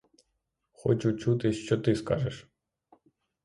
Хочу чути, що ти скажеш.